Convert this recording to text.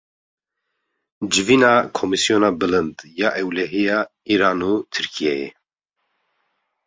Civîna komîsyona bilind ya ewlehiya Îran û Tirkiyeyê